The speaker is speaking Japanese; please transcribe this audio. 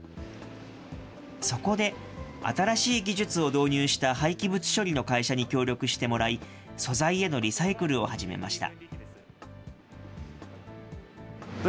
そこで、新しい技術を導入した廃棄物処理の会社に協力してもらい、素材へのリサイクルを始めました。